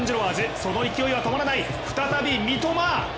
その勢いは止まらない再び、三笘。